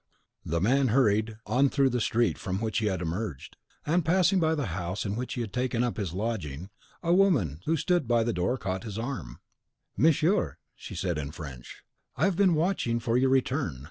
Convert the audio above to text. The man hurried on through the street from which he had emerged; and, passing by the house in which he had taken up his lodging (he had arrived at Venice the night before), a woman who stood by the door caught his arm. "Monsieur," she said in French, "I have been watching for your return.